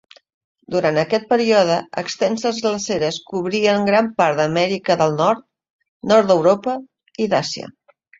Durant aquest període, extenses glaceres cobrien gran part d'Amèrica del Nord, nord d'Europa i d'Àsia.